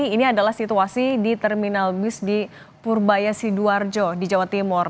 ini adalah situasi di terminal bus di purbaya sidoarjo di jawa timur